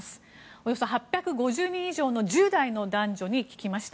およそ８５０人以上の１０代の男女に聞きました。